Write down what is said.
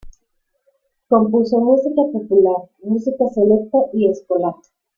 Compuso música popular, música selecta y escolar.